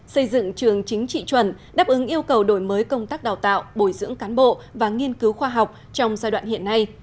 xây dựng trường chính trị chuẩn đáp ứng yêu cầu đổi mới công tác đào tạo bồi dưỡng cán bộ và nghiên cứu khoa học trong giai đoạn hiện nay